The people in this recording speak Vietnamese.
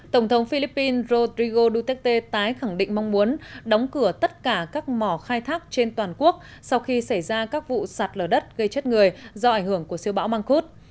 tổng thống philippines rodrigo duterte tái khẳng định mong muốn đóng cửa tất cả các mỏ khai thác trên toàn quốc sau khi xảy ra các vụ sạt lở đất gây chết người do ảnh hưởng của siêu bão măng khuốt